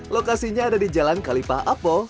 lokasinya ada di jalan kalipah apo